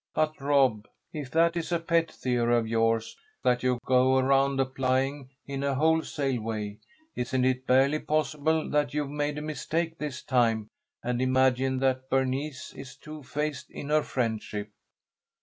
"But, Rob, if that is a pet theory of yours that you go around applying in a wholesale way, isn't it barely possible that you've made a mistake this time and imagined that Bernice is two faced in her friendship?"